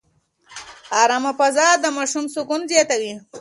ارامه فضا د ماشوم سکون زیاتوي.